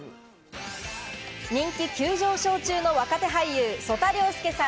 人気急上昇中の若手俳優・曽田陵介さん